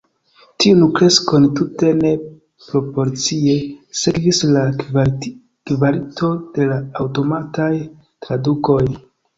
Tiun kreskon tute ne proporcie sekvis la kvalito de la aŭtomataj tradukoj.